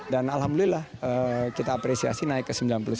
dan alhamdulillah kita apresiasi naik ke sembilan puluh satu